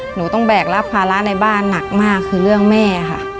หนูต้องแบกรับภาระในบ้านหนักมากคือเรื่องแม่ค่ะ